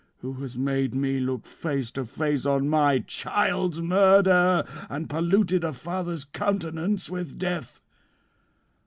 who hast made me look face to face on my child's murder, and polluted a father's countenance with death.